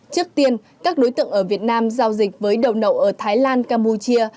trước tiên các đối tượng ở việt nam giao dịch với đầu nậu ở thái lan campuchia